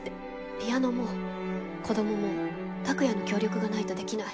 ピアノも子どもも拓哉の協力がないとできない。